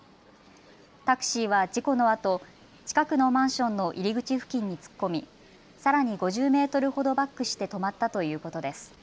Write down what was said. タクシーは事故のあと近くのマンションの入り口付近に突っ込みさらに５０メートルほどバックして止まったということです。